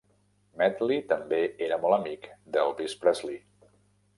Medley també era molt amic d'Elvis Presley.